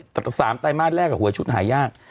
ตัดตะ๓ใต้มาร์ทแรกหวยชุดหายาก